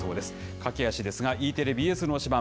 駆け足ですが、Ｅテレ、ＢＳの推しバン！